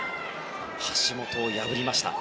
橋本を破りました。